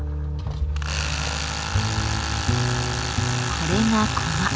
これがコマ。